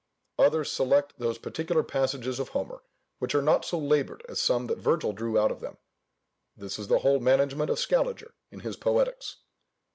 Others select those particular passages of Homer which are not so laboured as some that Virgil drew out of them: this is the whole management of Scaliger in his Poetics.